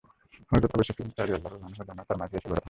হযরত Abu Sufyan রাযিয়াল্লাহু আনহু জনতার মাঝে এসে ঘোড়া থামান।